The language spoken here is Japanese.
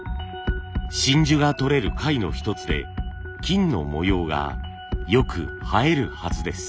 真珠がとれる貝の一つで金の模様がよく映えるはずです。